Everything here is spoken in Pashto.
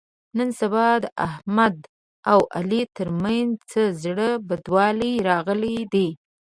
نن سبا د احمد او علي تر منځ څه زړه بدوالی راغلی دی.